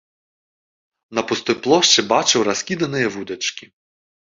На пустой плошчы бачыў раскіданыя вудачкі.